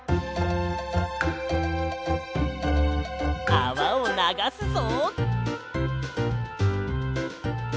あわをながすぞ。